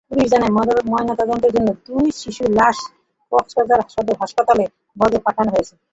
Police জানায়, ময়নাতদন্তের জন্য দুই শিশুর লাশ কক্সবাজার সদর হাসপাতাল মর্গে পাঠানো হয়েছে।